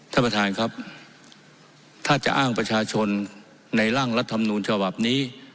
ท่านประธานครับถ้าจะอ้างประชาชนในร่างรัฐมนูญฉบับนี้